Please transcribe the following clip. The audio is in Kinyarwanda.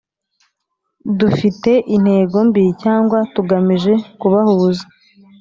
Dufite intego mbi cyangwa tugamije kubahuza